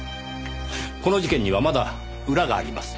この事件にはまだ裏があります。